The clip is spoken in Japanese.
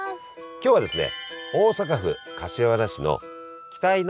今日はですね